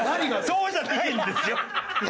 そうじゃないんです。